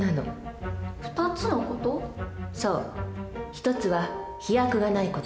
１つは飛躍がないこと。